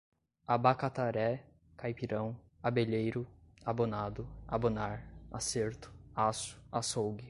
abacataré, caipirão, abelheiro, abonado, abonar, acerto, aço, açougue